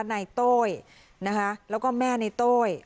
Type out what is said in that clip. ในโต้ยนะคะแล้วก็แม่ในโต้ย